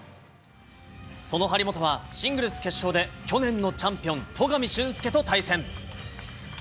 その張本は、シングルス決勝で、去年のチャンピオン、戸上隼輔と対戦。